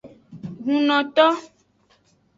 Hunnoto.